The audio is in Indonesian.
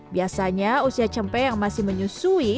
biasanya usia cempe yang masih menyusui